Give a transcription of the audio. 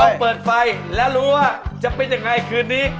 เปิดไฟและรู้ว่าจะเป็นยังไงคืนนี้